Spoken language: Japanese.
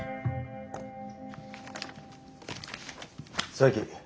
佐伯。